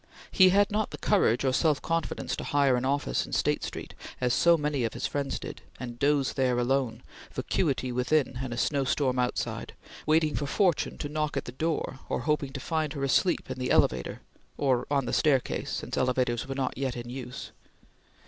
He had not the courage or self confidence to hire an office in State Street, as so many of his friends did, and doze there alone, vacuity within and a snowstorm outside, waiting for Fortune to knock at the door, or hoping to find her asleep in the elevator; or on the staircase, since elevators were not yet in use.